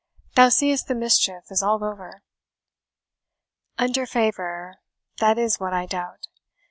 Thou seest the mischief is all over." "Under favour, that is what I doubt.